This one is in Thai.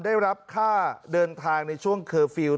ได้รับค่าเดินทางในช่วงเคอร์ฟิลล์